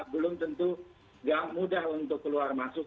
belum tentu tidak mudah untuk keluar masuk